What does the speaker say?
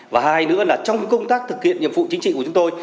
và hai nữa là trong công tác thực hiện nhiệm vụ chính trị của chúng tôi